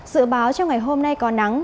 dự báo cho ngày hôm nay có nắng